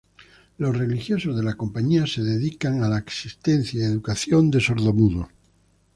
Los religiosos de la Compañía se dedican a la asistencia y educación de sordomudos.